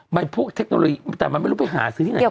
มันพวกเทคโนโลยีแต่มันไม่รู้ไปหาซื้อที่ไหน